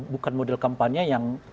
bukan model kampanye yang